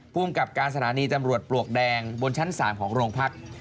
ภูมิกับการสถานีตำรวจปลวกแดงบนชั้น๓ของโรงพัก